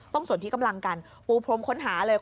สนที่กำลังกันปูพรมค้นหาเลย